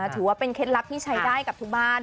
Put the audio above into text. ถือว่าเป็นเคล็ดลับที่ใช้ได้กับทุกบ้าน